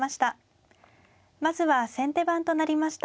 まずは先手番となりました